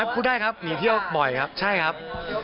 พูดได้ครับหนีเที่ยวบ่อยครับใช่ครับ